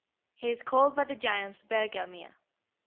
He is called by the giants Bergelmir.